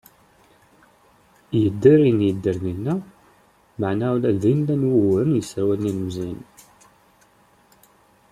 Yedder ayen yedder dinna, meɛna ula din, llan wuguren i yesserwalen ilmezyen.